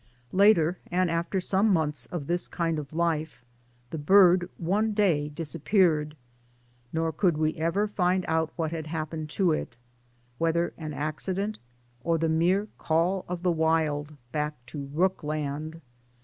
Later, and after some months of this kind of life, the bird one day disappeared ; nor could we ever find out what had happened to it whether an accident or the mere " call of the wild " back to rook land.